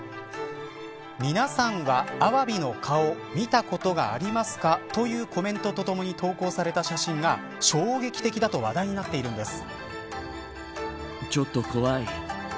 みなさんはアワビの顔見たことがありますかというコメントとともに投稿された写真が衝撃的だと話題になっているんです。